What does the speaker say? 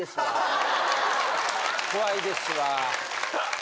怖いですわ。